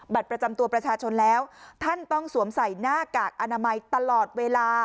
ประจำตัวประชาชนแล้วท่านต้องสวมใส่หน้ากากอนามัยตลอดเวลา